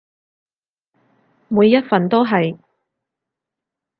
每一份都係